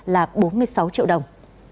là bốn mươi sáu triệu đồng